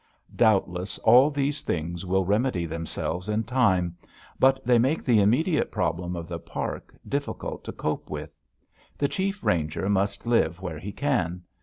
Doubtless all these things will remedy themselves in time. But they make the immediate problems of the park difficult to cope with. The chief ranger must live where he can.